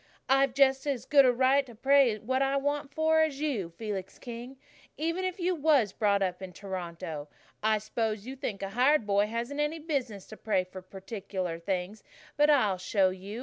"I've just as good a right to pray for what I want as you, Felix King, even if you was brought up in Toronto. I s'pose you think a hired boy hasn't any business to pray for particular things, but I'll show you.